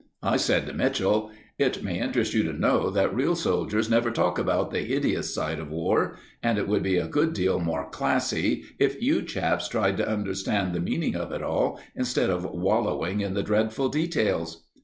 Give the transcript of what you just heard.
I said to Mitchell "It may interest you to know that real soldiers never talk about the hideous side of war; and it would be a good deal more classy if you chaps tried to understand the meaning of it all, instead of wallowing in the dreadful details."